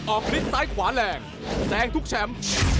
ออกฤทธิ์ซ้ายขวาแรงแสงทุกแชมป์